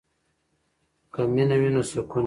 که مینه وي نو سکون وي.